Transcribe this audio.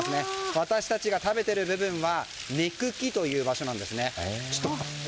私たちが食べている部分は根茎という場所なんですね。